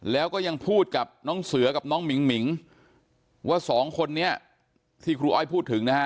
แล้วก็ยังพูดกับน้องเสือกับน้องหมิ่งหิงว่าสองคนนี้ที่ครูอ้อยพูดถึงนะฮะ